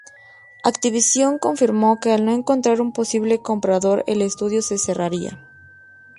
Activision confirmó que al no encontrar un posible comprador el estudio se cerraría.